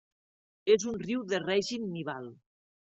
És un riu de règim nival.